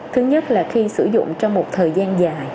thứ nhất là khi sử dụng trong một thời gian dài